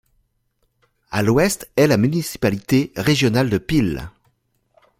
À l'ouest est la municipalité régionale de Peel.